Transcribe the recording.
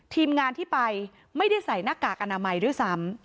ทีมงานที่ไปไม่ได้ใส่หน้ากากอนามัยด้วยซ้ำ